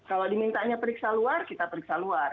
kalau dimintanya periksa luar kita periksa luar